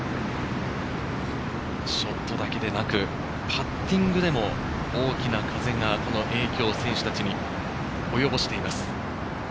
ショットだけでなく、パッティングでも風が大きな影響を選手たちに及ぼしています。